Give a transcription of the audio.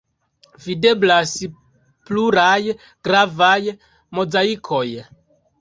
Videblas pluraj gravaj mozaikoj.